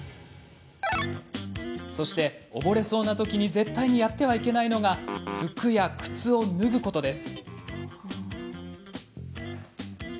そして、溺れそうなときに絶対にやってはいけないのが服や靴を脱ぐことです。